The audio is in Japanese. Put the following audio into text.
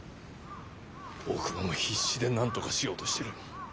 大久保も必死でなんとかしようとしてる。